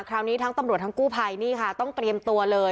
คราวนี้ทั้งทำรวจทั้งกู้ภัยต้องเตรียมตัวเลย